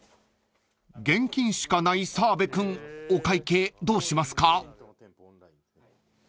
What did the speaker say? ［現金しかない澤部君お会計どうしますか？］